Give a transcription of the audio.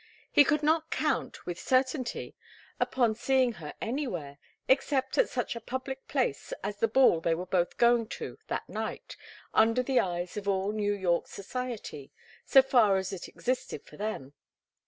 He could not count, with certainty, upon seeing her anywhere, except at such a public place as the ball they were both going to that night, under the eyes of all New York society, so far as it existed for them.